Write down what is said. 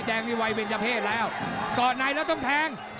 แดงนี่วัยเป็นเจ้าเพศแล้วเกาะในแล้วต้องแทง